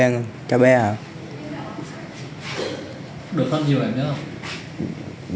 được không nhiều rồi nhớ không